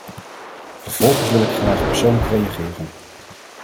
Vervolgens wil ik graag persoonlijk reageren.